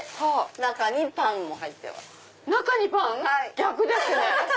中にパン⁉逆ですね。